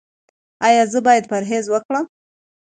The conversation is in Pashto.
ایا زه باید پرهیز وکړم؟